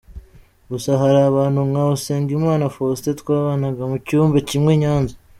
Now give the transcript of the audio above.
Gusa hari abantu nka Usengimana Faustin twabanaga mu cyumba kimwe i Nyanza.